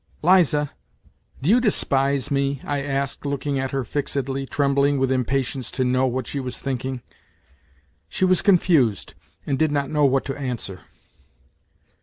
" Liza, do you despise me ?" I asked, looking at her fixedly, trembling with impatience to know what she was thinking. She was confused, and did not know what to answer.